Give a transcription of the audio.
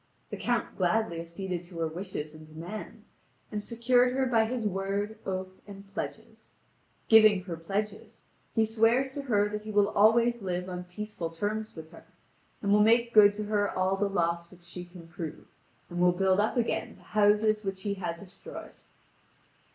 The Count gladly acceded to her wishes and demands, and secured her by his word, oath, and pledges. Giving her pledges, he swears to her that he will always live on peaceful terms with her, and will make good to her all the loss which she can prove, and will build up again the houses which he had destroyed.